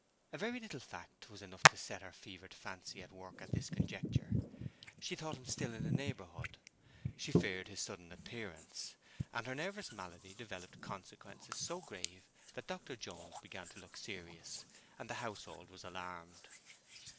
A very little of fact was enough to set her fevered fancy at work at this juncture; she thought him still in the neighborhood; she feared his sudden appearance; and her nervous malady developed consequences so grave that Dr. Jones began to look serious, and the household was alarmed.